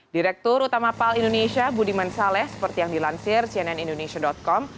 direktur utama pal indonesia budiman saleh seperti yang dilansir cnn indonesia com